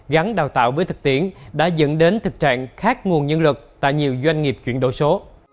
gắn đào tạo với thực tiễn đã dẫn đến thực trạng khác nguồn nhân lực tại nhiều doanh nghiệp chuyển đổi số